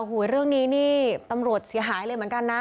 เรื่องนี้นี่ตำรวจเสียหายเลยเหมือนกันนะ